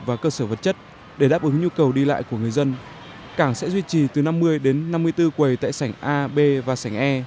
và cơ sở vật chất để đáp ứng nhu cầu đi lại của người dân cảng sẽ duy trì từ năm mươi đến năm mươi bốn quầy tại sảnh a b và sảnh e